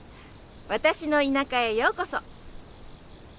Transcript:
私の田舎へようこそ！